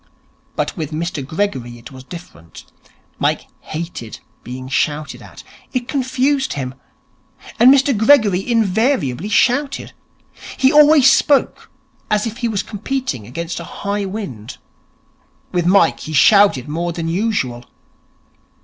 But with Mr Gregory it was different. Mike hated being shouted at. It confused him. And Mr Gregory invariably shouted. He always spoke as if he were competing against a high wind. With Mike he shouted more than usual.